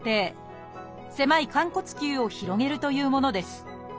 狭い寛骨臼を広げるというものです。